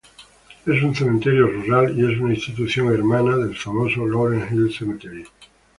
Es un cementerio rural y es una institución hermana del famoso Laurel Hill Cemetery.